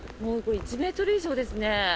１ｍ以上ですね。